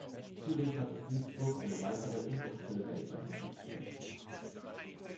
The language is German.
Zudem fand in Duisburg eine weitere, inoffizielle Weltmeisterschaft statt.